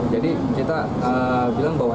jadi kita bilang bahwa